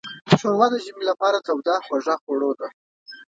ښوروا د ژمي لپاره توده خوږه خوړو ده.